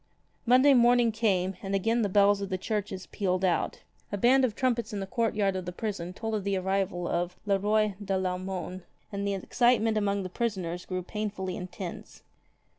Monday morning came, and again the bells of the churches pealed out. A band of trumpets in the courtyard of the prison told of the arrival of Le Roy de VAumone, and the excitement among the prisoners grew painfully intense.